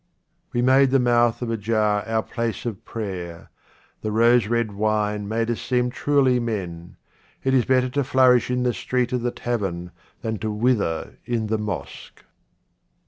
We made the mouth of a jar our place of prayer ; the rose red wine made us seem truly men. It is better to flourish in the street of the tavern than to wither in the mosque.